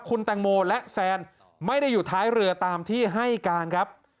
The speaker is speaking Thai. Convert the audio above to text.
คุณแตงโมและแซนไม่ได้อยู่ท้ายเรือตามที่ให้การครับ